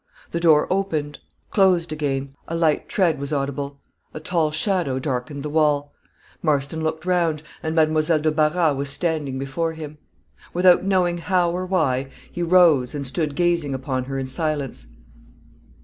The door opened closed again: a light tread was audible a tall shadow darkened the wall: Marston looked round, and Mademoiselle de Barras was standing before him. Without knowing how or why, he rose, and stood gazing upon her in silence.